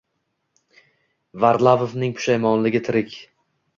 Varlamovning pushaymonligi tirik